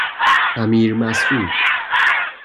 امیرمسعود